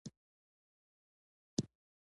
زغم پکې رواج وي.